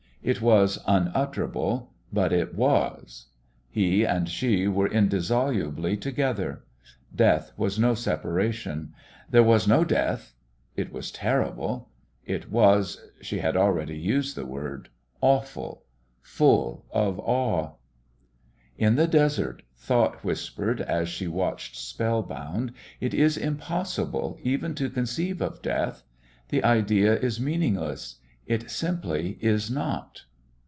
It was unutterable, but it was. He and she were indissolubly together. Death was no separation. There was no death.... It was terrible. It was she had already used the word awful, full of awe. "In the desert," thought whispered, as she watched spellbound, "it is impossible even to conceive of death. The idea is meaningless. It simply is not."